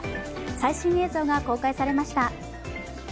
最新映像が公開されました。